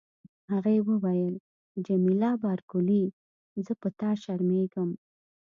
هغې وویل: جميله بارکلي، زه په تا شرمیږم.